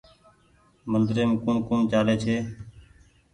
مندريم ڪوٚڻ ڪوٚڻ چآلي ڇي